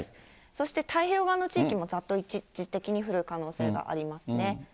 そして太平洋側の地域もざっと一時的に降る可能性がありますね。